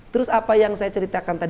terus apa yang saya ceritakan tadi